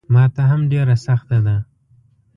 ماته هم ډېره سخته ده.